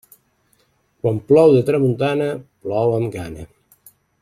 Quan plou de tramuntana, plou amb gana.